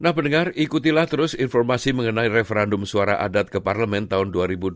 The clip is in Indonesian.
nah pendengar ikutilah terus informasi mengenai referandum suara adat ke parlemen tahun dua ribu dua puluh tiga